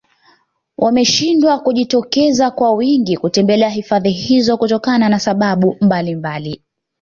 wameshindwa kujitokeza kwa wingi kutembelea hifadhi hizo kutokana na sababu mbalimbali